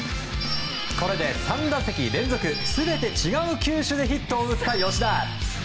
これで３打席連続全て違う球種でヒットを打った吉田。